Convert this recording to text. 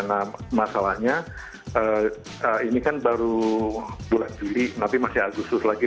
nah masalahnya ini kan baru bulan juli tapi masih agustus lagi